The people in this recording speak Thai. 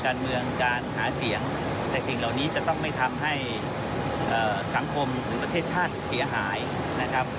แต่สิ่งเหล่านี้จะต้องไม่ทำให้สังคมหรือประเทศชาติเสียหายนะครับ